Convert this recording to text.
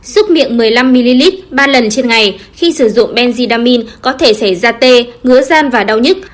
xúc miệng một mươi năm ml ba lần trên ngày khi sử dụng benzidamine có thể xảy ra tê ngỡ ran và đau nhứt